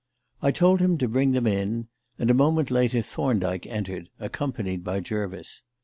I told him to bring them in, and a moment later Thorndyke entered, accompanied by Jervis.